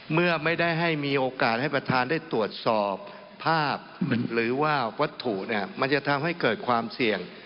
เมื่อไม่ได้ให้มีโอกาสให้ประธานได้ตรวจสอบภาพหรือว่าวัตถุเนี่ยมันจะทำให้เกิดความเสี่ยง